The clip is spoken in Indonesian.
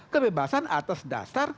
kebebasan atas dasar